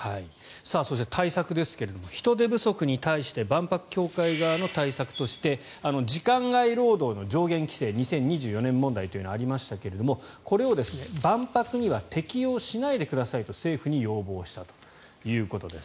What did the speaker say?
そして、対策ですが人手不足に対して万博協会側の対策として時間外労働の上限規制２０２４年問題というのがありましたがこれを万博には適用しないでくださいと政府に要望したということです。